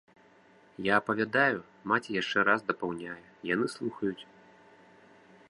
Я апавядаю, маці яшчэ раз дапаўняе, яны слухаюць.